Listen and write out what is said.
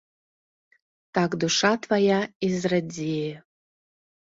Так душа твая і зрадзее.